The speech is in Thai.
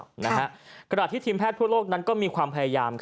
กระดาษที่ทีมแพทย์พวกโลกนั้นก็มีความพยายาม